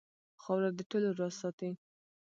خاوره د ټولو راز ساتي.